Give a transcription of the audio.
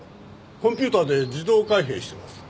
コンピューターで自動開閉してます。